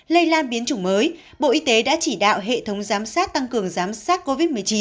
lây lan biến chủng mới bộ y tế đã chỉ đạo hệ thống giám sát tăng cường giám sát covid một mươi chín